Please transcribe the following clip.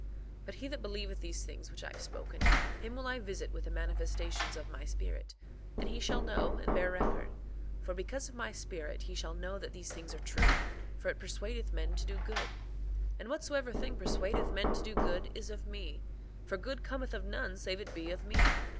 4:11 But he that believeth these things which I have spoken, him will I visit with the manifestations of my Spirit, and he shall know and bear record. For because of my Spirit he shall know that these things are true; for it persuadeth men to do good. 4:12 And whatsoever thing persuadeth men to do good is of me; for good cometh of none save it be of me.